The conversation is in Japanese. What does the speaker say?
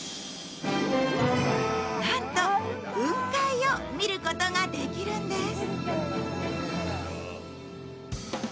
なんと、雲海を見ることができるんです。